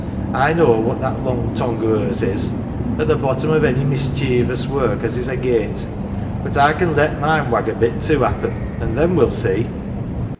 I know what that long tongue o 1 hers is ; at the bottom of any mischeevious work as is agate. But I can let mine wag a bit too, happen, and then we'll see